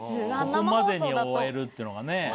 ここまでに終えるっていうのがね。